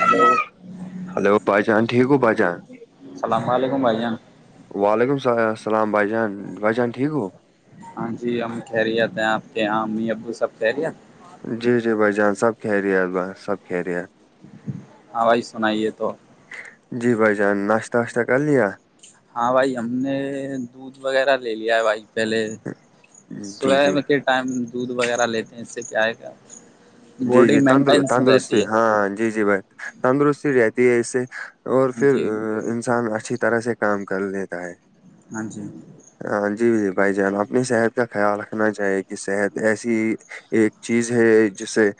hello hello بھائی جان ٹھیک ہو بھائی جان السلام علیکم بھائی جان وعلیکم السلام بھائی جان بھائی جان ٹھیک ہو ہاں جی ہم خیریت ہیں آپ کے یہاں امی ابو سب خیریت جی جی بھائی جان سب خیریت بس سب خیریت ہاں بھائی سنائیے تو جی بھائی جان ناشتہ واشتہ کر لیا ہاں بھائی ہم نے دودھ وغیرہ لے لیا ہے بھائی پہلے جی صبح جی میں کے ٹائم دودھ وغیرہ لیتے ہیں اس سے کیا ہے کہ جی باڈی جی تند مینٹینس تندرستی رہتی ہے ہاں جی جی بھائی تندرستی رہتی ہے اس سے اور ہاں پھر جی انسان اچھی طرح سے کام کر لیتا ہے ہاں جی ہاں جی جی بھائی جان اپنی صحت کا خیال رکھنا چاہیے کہ صحت ایسی ایک چیز ہے جس سے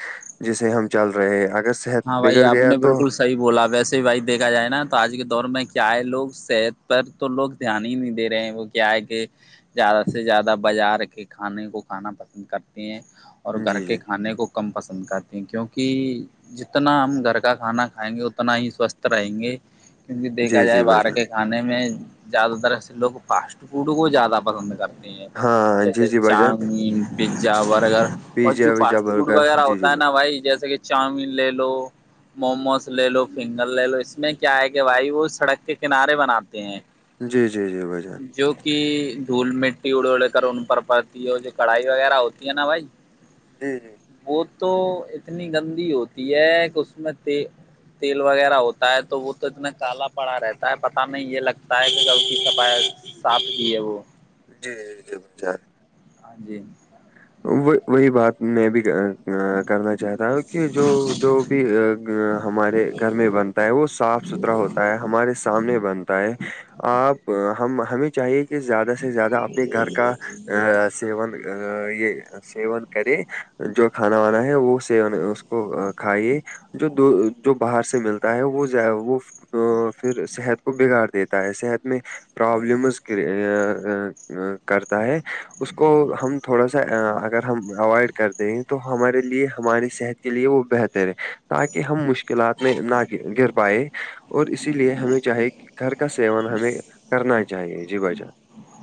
جس سے ہم چل رہے ہیں اگر صحت ہاں بھائی بگڑ آپ گیا نے تو بالکل صحیح بولا ویسے ہی بھائی دیکھا جائے نا تو آج کے دور میں کیا ہے لوگ صحت پر تو لوگ دھیان ہی نہیں دے رہے ہیں وہ کیا ہے کہ زیادہ سے زیادہ بازار کے کھانے کو کھانا پسند کرتے ہیں اور گھر جی کے جی کھانے کو کم پسند کرتے ہیں کیونکہ جتنا ہم گھر کا کھانا کھائیں گے اتنا ہی سوستھ رہیں گے کیونکہ دیکھا جی جائے جی بھائی باہر جان کے کھانے میں زیادہ تر لوگ فاسٹ فوڈ کو زیادہ پسند کرتے ہیں ہاں جی جیسے جی بھائی جان چاؤمین پیزا برگر اور پیزا جو ویزا فاسٹ فوڈ برگر وغیرہ جی جی ہوتا ہے نا بھائی جیسے کہ چاؤمین لے لو موموز لے لو فنگر لے لو اس میں کیا ہے کہ بھائی وہ سڑک کے کنارے بناتے ہیں جی جی جی بھائی جان جو کہ دھول مٹی اڑ اڑے کر ان پر پڑتی ہے اور جو کڑھائی وغیرہ ہوتی ہے نا بھائی جی جی وہ تو اتنی گندی ہوتی ہے کہ اس میں تیل وغیرہ ہوتا ہے تو وہ تو اتنا کالا پڑا رہتا ہے پتاہ نہیں یہ لگتا ہے کہ کب کی صفائی ساف کی ہے وہ جی جی ہاں جی وہی وہی بات میں بھی کرنا چاہتا ہوں کہ جو جو بھی ہمارے گھر میں بنتا ہے وہ صاف ستھرا ہوتا ہے ہمارے سامنے بنتا ہے آپ ہم ہمیں چاہیے کہ زیادہ سے زیادہ اپنے گھر کا سیون یہ سیون کرے جو کھانا وانا ہے وہ اس کو کھائیے جو جو باہر سے سے ملتا ہے وہ وہ پھر صحت کو بگاڑ دیتا ہے صحت میں پرابلمز کرتا ہے اس کو ہم تھوڑا سا اگر ہم اوائڈ کرتے ہیں تو ہمارے لیے ہماری صحت کے لیے وہ بہتر ہے تاکہ ہم مشکلات میں نہ گر پائے اور اسی لیے ہمیں چاہی گھر کا سیون ہمیں کرنا چاہیے جی بجہ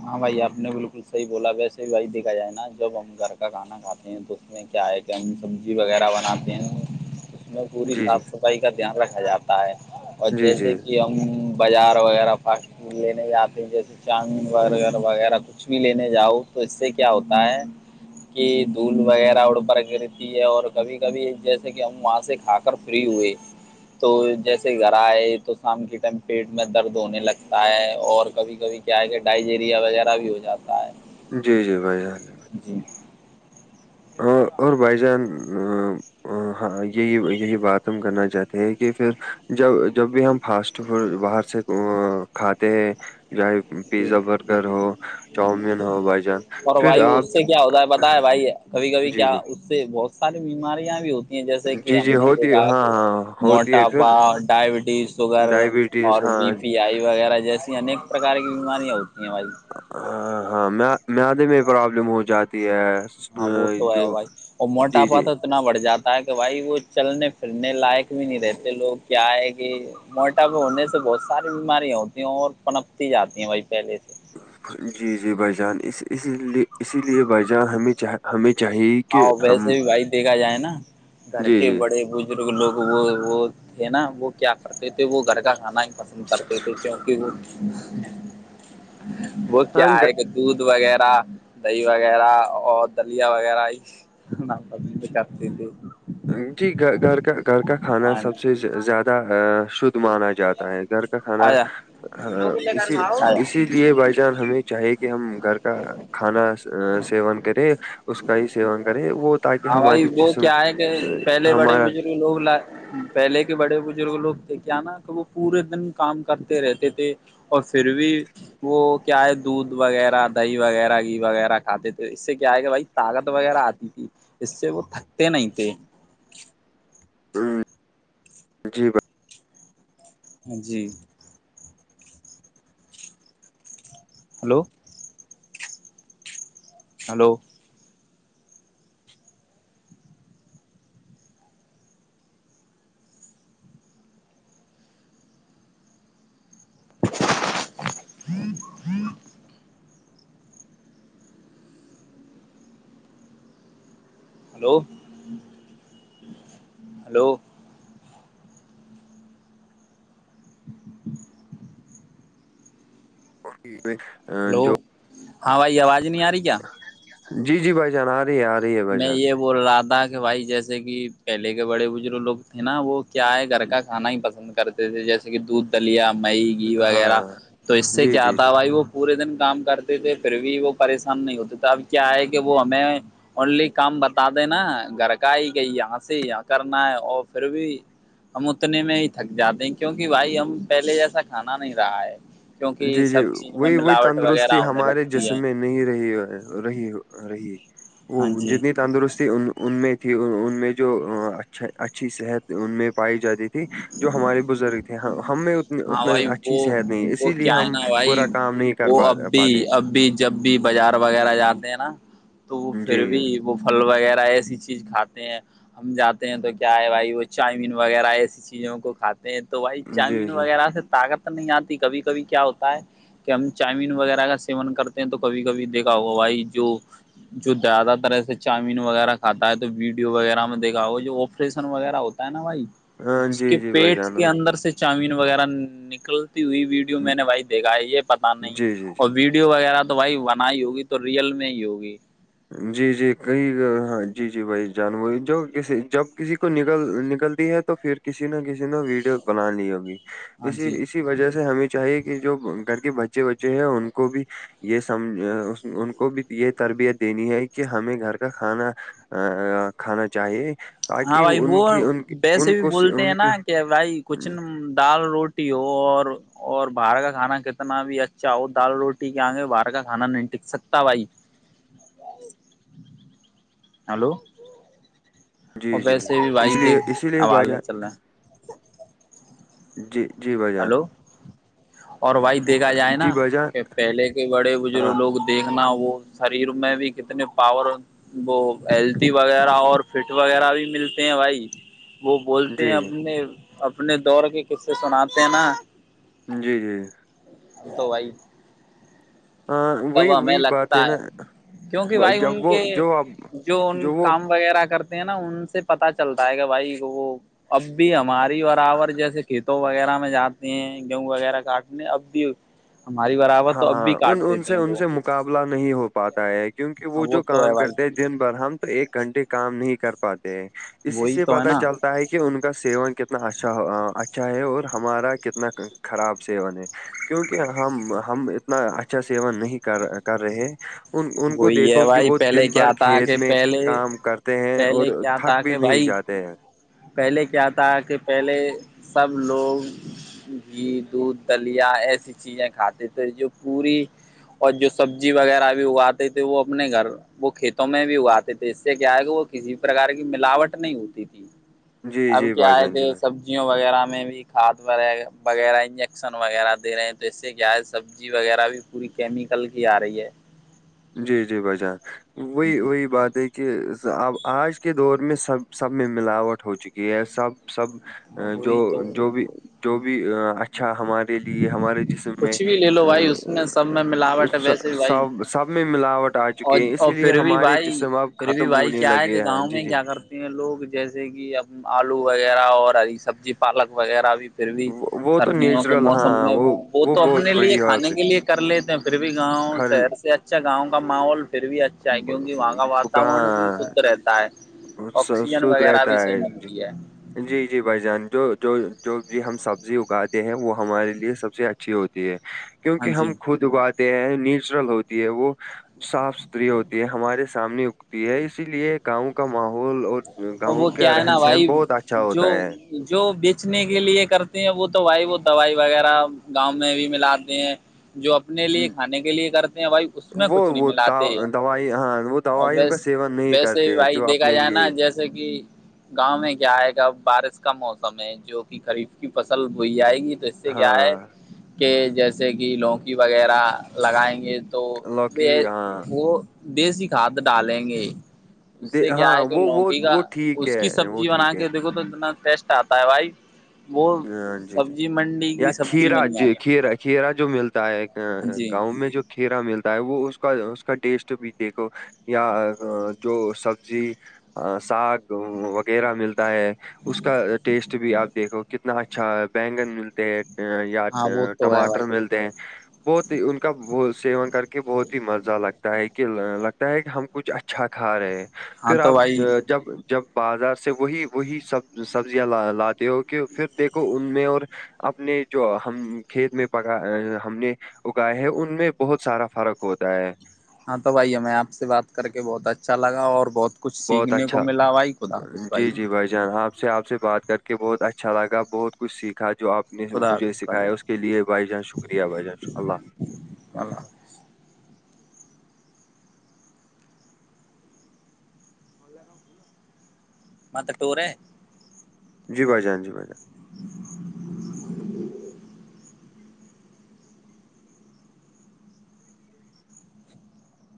ہاں بھائی آپ نے بالکل صحیح بولا ویسے بھی بھائی دیکھا جائے نا جب ہم گھر کا کانا کھاتے ہیں تو میں کیا ہے کہ ہم سبزی وغیرہ بناتے ہیں اس میں پوری جی جی صاف صفائی کا دھیان رکھا جاتا ہے اور جی جیسے جی کہ ہم بازار وغیرہ فاسٹ فوڈ لینے آتے جیسے چاند برگر وغیرہ کچھ بھی لینے جاؤ تو اس سے کیا ہوتا ہے کہ دھول وغیرہ اڑ پر گرتی ہے اور کبھی کبھی جیسے کہ ہم وہاں سے کھا کب فری ہوئے تو جیسے گھر آئے تو شام کے ٹائم پیٹ میں درد ہونے لگتا ہے اور کبھی کبھی کیا ہے کہ ڈائہیریا وغیرہ بھی ہو جاتا ہے جی جی بھائی جان جی اور اور بھائی جان ہاں یہی یہی بات ہم کرنا چاہتے ہیں کہ پھر جب جب بھی ہم فاسٹ فوڈ باہر سے کھاتے ہیں چاہے جی پیزا برگر ہو چاؤمین ہو بھائی جان اور پھر بھائی اس سے آپ کیا ہوتا ہے بتائے بھائی کبھی کبھی جی کیا جی اس سے بہت ساری بیماریاں بھی ہوتی جیسے کہ جی ہم جی نے ہوتی ہے دیکھا ہاں کہ ہاں ہوتی ہے موٹاپا پھر ڈائبٹیز شوگر ڈائبٹیز اور ہاں بی پی آئی وغیرہ جیسی انیک پرکار کی بیماریاں ہوتی ہیں بھائی ہاں ہاں میدے میں پرابلم ہو جاتی ہے ہاں وہ تو ہے جو بھائی اور جی موٹاپا جی تو اتنا بڑھ جاتا ہے کہ بھائی وہ چلنے پھرنے لائق بھی نہیں رہتے لوگ کیا ہے کہ موٹا پا ہونے سے بہت ساری بیماریاں ہوتی ہیں اور پنپتی جاتی ہیں بھائی پہلے سے جی جی بھائی جان اس اسی لیے اسی لیے بھائی جان ہمیں چاہیے ہمیں چاہیے کہ ہاں ویسے ہم بھی بھائی دیکھا جائے نا گھر جی کے جی بڑے بزرگ لوگ وہ وہ ہے نا وہ کیا کرتے تھے وہ گھر کا کھانا ہی پسند کرتے تھے کیونکہ وہ وہ ہاں کیا ہے کہ دودھ وغیرہ دہی وغیرہ اور دلیا وغیرہ [inaudible] جی گھر کا گھر کا آ کھانا سب سے زیادہ شد مانا جاتا ہے گھر کا کھانا آ جا اسی اسی لیے بھائی جان ہمیں چاہیے کہ ہم گھر کا کھانا سیون کریں اس کا ہی سیوون کرے وہ تاکہ ہاں بھائی ہماری وہ جسم کیا ہے کہ سے پہلے بڑے ہمارا بزرگ لوگ پہلے کے بڑے بزرگ لوگ کیا نا کہ وہ پورے دن کام کرتے رہتے تھے اور پھر بھی وہ کیا ہے دودھ وغیرہ دہی وغیرہ گھی وغیرہ کھاتے تھے اس سے کیا ہے کہ بھائی طاقت وغیرہ آتی تھی اس سے وہ تھکتے نہیں تھے ہوں جی بھائی ہاں جی ہلو ہلو ہاں ہاں ہلو ہلو [inaudible] ہلو ہاں بھائی آواز نہیں آ رہی کیا جی جی بھائی جان آ رہی ہے آ رہی ہے بھائی میں جان یہ بول رہ تھا کہ بھائی جیسے کہ پہلے کے بڑے بزرگ لوگ تھے نا وہ کیا ہے گھر کا کھانا ہی پسند کرتے تھے جیسے جیسے کہ دودھ دلیا مئی گھی وغیرہ ہاں تو اس سے جی کیا جی آتا جی ہے بھائی وہ پورے دن کام کرتے تھے پھر بھی وہ پریشان نہیں ہوتے تھے اب کیا ہے کہ وہ ہمیں اونلی کام بتا دینا گھر کا ہی کہ یہاں سے یہاں کرنا ہے اور پھر بھی ہم اتنے میں ہی تھک جاتے ہیں کیونکہ بھائی ہم پہلے جیسا کھانا نہیں رہا ہے کیونکہ جی جی سب چیز میں وہی وہی ملاوٹ وغیرہ تندرستی ہونے ہمارے لگتی جسم ہے میں نہیں رہی رہی رہی وہ ہاں جی جتنی تندرستی ان میں تھی ان میں جو اچھا اچھی صحت ان میں پائی جاتی تھی جو ہمارے بزرگ تھے ہم ہاں اتنا بھائی اچھی وہ صحت نہیں اس وہ کیا ہے نا بھائی وہ اب بھی پاتے جب بھی جب بھی بازار وغیرہ جاتے ہیں نا تو وہ جی پھر بھی وہ پھل وغیرہ ایسی چیز کھاتے ہیں ہم جاتے ہیں تو کیا ہے بھائی وہ چاؤمین وغیرہ سی چیزوں کو کھاتے ہیں تو بھائی جی چاؤمین جی وغیرہ سے طاقت نہیں آتی کبھی کبھی کیا ہوتا ہے کہ ہم چاؤمین وغیرہ کا سیون کرتے ہیں تو کبھی کبھی دیکھا ہوگا بھائی جو جو زیادہ تر ایس سے چامین وغیرہ کھا ہے تو ویڈیو وغیرہ میں دیکھا ہوگا جو آپریشن وغیرہ ہوتا نا بھائی ہاں اس کے جی جی بھائی پیٹ کے جان اندر سے چامین وغیرہ نکلتی ہوئی ویڈیو میں نے بھائی دیکھا ہے یہ پتا نہیں جی جی جی اور ویڈیو ویڈیو وغیرہ تو بھائی بن ہی ہوگی تو ریئل میں ہی ہوگی جی جی کئی ہاں جی جی بھائی جان وہی جب کسی کو نکل نکلتی ہے تو پھر کسی نہ کسی نے ویڈیو بنا لی ہوگی ہاں اس جی اسی وجہ سے ہمیں چاہیے کہ جو گھر کے بچے وچے ہیں ان کو بھی یہ سمج ان کو بھی یہ تربیت دینی ہے کہ ہمیں گھر کا کھانا کھانا چاہیے ہاں تاکہ بھائی وہ ان کی ان کی- ویسے ان بھی کو سے- بولتے ہیں ان نا کے کہ بھائی کچھ دال روٹی اور اور باہر کا کھانا کتنا بھی اچھا ہو دال روٹی کے آگے باہر کا کھانا نہیں ٹک سکتا بھائی [inaudible] ہلو اور جی جی ویسے بھی اس بھائی لیے دیکھ اسی لیے بھائی آواز چل رہا ہیں جی جی بھائی جان ہلو اور بھائی دیکھا جائے نا جی بھائی جان کہ پہلے کے بڑے بزرگ ہاں لوگ دیکھنا وہ شریر میں بھی کتنے پاور وہ ہیلدی وغیرہ اور فٹ وغیرہ بھی ملتے ہیں بھائی وہ بولتے ہیں جی جی اپنے اپنے دور کے قصے سناتے ہیں نا جی جی تو بھائی ہاں وہی تب وہی ہمیں بات ہے لگتا نا کیونکہ بھائی ان جب وہ کے جو اب جو ان کام وغیرہ کرتے نا ان سے پتا چلتا ہے کہ بھائی وہ اب بھی ہماری برابر جیسے کھی کھیتو وغیرہ میں جاتے ہیں گیہوں وغیرہ کاٹنے اب بھی ہماری برابر ہاں تو اب بھی ہاں ان کاٹتے ان تھے سے ان سے مقابلہ نہیں ہو پاتا ہے کیونکہ ہاں وہ جو تو ہے کام بھائی کرتے ہیں دن بھر ہم تو ایک گھنٹے کام نہیں کر پاتے ہیں اسی وہی سے تو ہے پتا نا چلتا تا ہے کہ ان کا سیون کتنا اچھا اچھا ہے اور ہمارا کتنا خراب سیون ہے کیونکہ ہم ہم اتنا اچھا سیوا نہیں کر کر رہے ان ان کو وہی ہے دیکھو کہ بھائی وہ پہلے دن بھر کیا تھا کھیت کہ میں پہلے کام کرتے ہیں اور پہلے کیا تھا تھک بھی کہ نہیں بھائی جاتے ہیں پہلے کیا تھا کہ پہلے سب لوگ گھی دودھ دلیا ایسی چیزیں کھاتے تھے جو پوری اور جو سبزی وغیرہ بھی اگاتے تھے وہ اپنے گھر وہ کھیتوں میں بھی اگاتے تھے اس سے کیا ہے کہ وہ کسی بھی پرکار کی ملاوٹ نہیں ہوتی تھی جی اب جی کیا بھائی ہے جان کہ جی بھائی سب سبزیوں وغیرہ میں بھی کھاد وغیرہ انجیکشن وغیرہ دے رہے ہیں تو اس سے کیا ہے سبزی وغیرہ بھی پوری کیمیکل کی آ رہی ہے جی جی بھائی جان ہاں وہی جی وہی بات ہے کہ کہ اب آج کے دور میں سب سب میں ملاوٹ ہو چکی ہے سب سب جو وہی تو جو بھی جو بھی اچھا ہمارے لیے ہمارے جسم میں کچھ بھی لے لو بھائی اس میں سب میں ملاوٹ ہے ویسے بھی اس بھائی سب میں ملاوٹ آ چکی اور ہے اور اسی لیے پھر بھی ہمارے بھائی جسم اب پھر بھی ختم بھائی ہونے کیا ہے کہ لگے ہیں گاؤں جی میں جی کیا کرتے ہیں لوگ جیسے کہ اب آلو وغیرہ اور ہری سبزی پالک وغیرہ بھی پھر بھی وہ وہ تو سردیوں کے نیچرل موسم ہاں میں وہ وہ تو بہت اپنے لیے بڑی بات کھانے ہے کے لیے کر لیتے ہیں پھر بھی گاؤں گھر شہر سے اچھا گاؤں کا ماحول پھر بھی اچھا ہے کیونکہ وہاں کا واتاورن بھی ہاں شد رہتا ہے س- آکسیجن سود وغیرہ رہتا بھی صحیح ملتی ہے جی جی بھائی جان جو جو جو ہم سبزی اگاتے ہیں وہ ہمارے لیے سب سے اچھی اچھی ہوتی ہے ہاں کیونکہ ہم جی خود اگاتے ہیں نیچرل ہوتی ہے وہ صاف ستھری ہوتی ہے ہمارے سامنے اگتی ہے اسی لیے گاؤں کا ماحول اور اور گاؤں وہ کا کیا ہے رہن نا سہن بھائی بہت اچھا جو ہوتا ہے جو بیچنے کے لیے کرتے ہیں وہ تو بھائی وہ دوائی وغیرہ گاؤں میں بھی ملااتے ہیں جو اپنے لیے کھانے کے لیے کرتے ہیں بھائی اس میں وہ کچھ نہیں وہ ملاتے دا- دوائی ہاں وہ دوائیوں کا سیون نہیں ویسے بھی کرتے ہیں بھائی جو دیکھا اپنے جائے نا لیے جیسے کہ گاؤں میں کیا آئے گا بارش کا موسم ہے جو کہ خریف کی فصل بوئی جائے گی تو سے کیا ہے ہاں کہ جیسے کہ لوکی وغیرہ لگائیں گے تو لوکی ہاں وہ دیسی کھاد ڈالیں گے اس دے- سے کیا ہاں ہے تو وہ لوکی وہ کا وہ ٹھیک اس کی ہے وہ سبزی بنا ٹھیک ہے کے دیکھو تو اتنا ٹیسٹ آتا ہے بھائی وہ ہاں جی جی سبزی منڈی یا کی سبزی کھیرا بن جو جاتا کھیرا کھیرا جو ملتا ہے ہاں جی گاؤں میں جو کھیرا ملتا ہے وہ اس کا اس کا ٹیسٹ بھی دیکھو یا جو سبزی ساگ وغیرہ ملتا ہے اس کا ٹیسٹ بھی آپ اتنا اچھا بینگن ملتے ہیں یا ہاں وہ تو ہے ٹماٹر بھائی ملتے ہیں بہت ہی ان کا سیون کر کے بہت ہی مزہ لگتا ہے کہ لگتا ہے کہ ہم کچھ اچھا کھا رہے ہاں پھر تو آپ بھائی جب جب بازار سے وہی وہی سبزیاں لاتے ہو کہ پھر دیکھو ان میں اور اپنے جو ہم کھیت میں پکا ہم نے اگائے ہیں ان میں بہت سارا فرق ہوتا ہے ہاں تو بھائی ہمیں آپ سے بات کر کے بہت اچھا لگا اور بہت کچھ بہت سیکھنے کو اچھا ملا بھائی خدا حافظ بھائی جی جی ہاں آپ سے آپ سے بات کر کے بہت اچھا لگا بہت کچھ سیکھا جو آپ نے خدا مجھے حافظ بھائی سکھایا اس کے لیے بھائی جان شکریہ بھائی جان اللہ حافظ اللہ حافظ [inaudible] جی بھائی جان جی بھائی جان